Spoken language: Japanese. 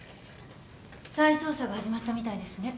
再捜査が始まったみたいですね。